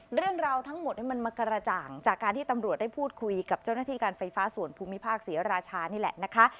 เรื่องราวทั้งหมดมันมากระจ่างจากการที่ตำรวจได้พูดคุยกับเจ้าหน้าที่การไฟฟ้าส่วนภูมิภาคศรีราชานี่แหละนะคะ